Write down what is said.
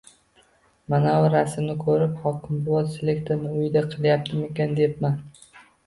Manavi rasmni koʻrib, xokimbuvo selektorni uyida qilyaptimikin debman..